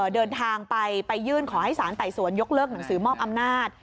เดินทางไปไปยื่นขอให้สารไต่สวนยกเลิกหนังสือมอบอำนาจ